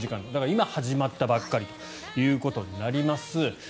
今、始まったばかりということになります。